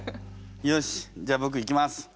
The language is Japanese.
よしじゃあ僕いきます。